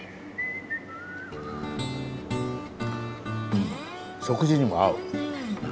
うん食事にも合う。